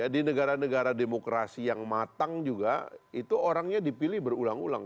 di negara negara demokrasi yang matang juga itu orangnya dipilih berulang ulang